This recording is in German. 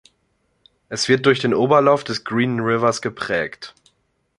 Es wird durch den Oberlauf des Green Rivers geprägt.